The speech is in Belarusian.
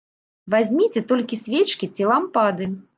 Вазьміце толькі свечкі ці лампады.